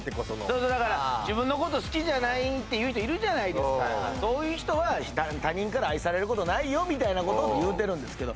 そうそうだから自分のこと好きじゃないっていう人いるじゃないですかそういう人は他人から愛されることないよみたいなこと言うてるんですけど。